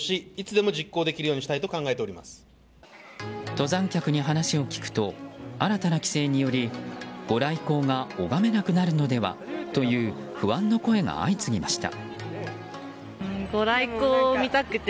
登山客に話を聞くと新たな規制によりご来光が拝めなくなるのではという不安の声が相次ぎました。